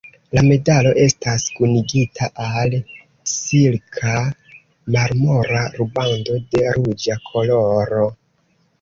La medalo estas kunigita al silka marmora rubando de ruĝa koloro.